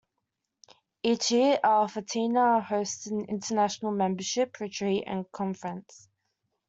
Each year, Al-Fatiha hosted an international membership retreat and conference.